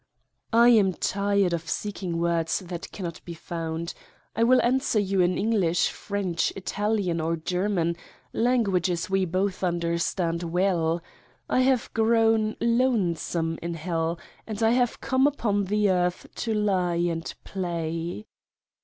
I am tired of seeking words that cannot be found. I will answer you in English, French, Italian or German languages we both understand well. I have grown lonesome in Hell and I have come upon the earth to lie and play.